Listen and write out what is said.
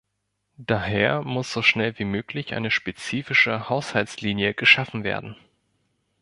Daher muss so schnell wie möglich eine spezifische Haushaltslinie geschaffen werden.